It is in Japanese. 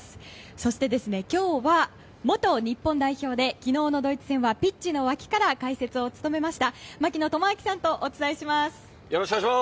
そして、今日は元日本代表で昨日のドイツ戦はピッチの脇から解説を務めました槙野智章さんとお伝えします。